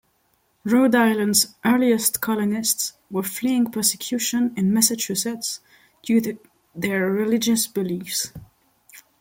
Rhode Island's earliest colonists were fleeing persecution in Massachusetts due to their religious beliefs.